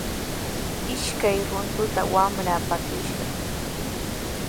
Ishkay runtuta wamra pakishqa.